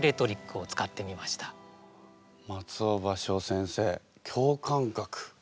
松尾葉翔先生共感覚。